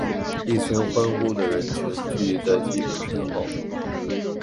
一群欢呼的人群聚集在记者身后。